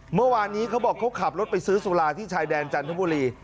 เมื่อวานนี้เขาบอกเขาขับรถไปซื้อสุราที่ชายแดนจันทบุรี